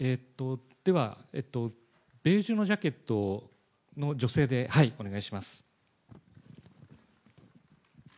では、ベージュのジャケットの女性で、はい、お願いします。